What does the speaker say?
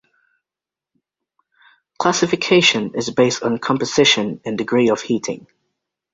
Classification is based on composition and degree of heating.